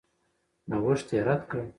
نوښت یې رد کړ.